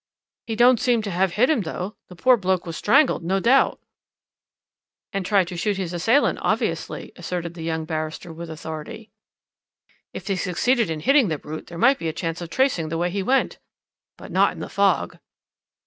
"'He don't seem to have hit him though. The poor bloke was strangled, no doubt.' "'And tried to shoot at his assailant, obviously,' asserted the young barrister with authority. "'If he succeeded in hitting the brute, there might be a chance of tracing the way he went.' "'But not in the fog.'